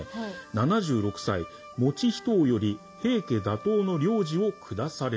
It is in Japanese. ７６歳以仁王より平家打倒の令旨を下される。